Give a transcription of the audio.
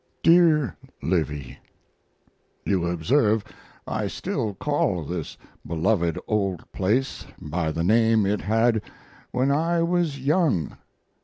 DEAR LIVY, You observe I still call this beloved old place by the name it had when I was young.